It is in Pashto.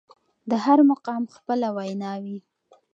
د هر مقام خپله وينا وي.